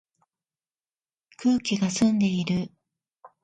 空気が澄んでいる